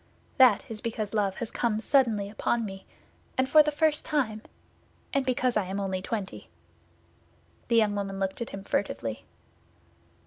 "That is because love has come suddenly upon me, and for the first time; and because I am only twenty." The young woman looked at him furtively.